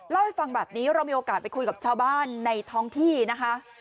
เล่าให้ฟังแบบนี้เรามีโอกาสไปคุยกับชาวบ้านในท้องที่นะคะ